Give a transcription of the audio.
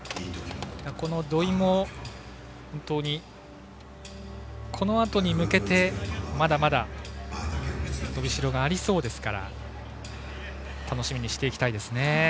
この土井も本当に、このあとに向けてまだまだ伸びしろがありそうですから楽しみにしていきたいですね。